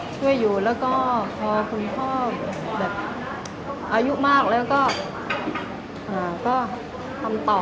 ช่วยอยู่แล้วก็พอคุณพ่อแบบอายุมากแล้วก็ทำต่อ